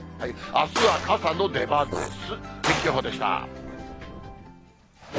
あすは傘の出番です。